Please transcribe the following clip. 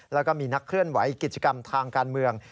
แล้วก็มีนักเคลื่อนไหวกิจกรรมทางการเมือง